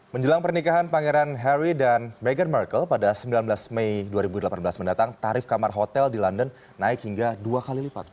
menjelang pernikahan pangeran harry dan meghan markle pada sembilan belas mei dua ribu delapan belas mendatang tarif kamar hotel di london naik hingga dua kali lipat